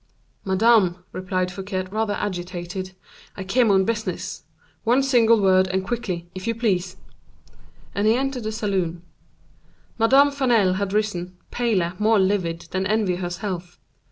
"Madame," replied Fouquet, rather agitated, "I came on business. One single word, and quickly, if you please!" And he entered the salon. Madame Vanel had risen, paler, more livid, than Envy herself.